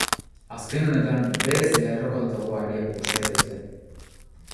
Azken honetan, berez lerrokatutako harriak ikus daitezke.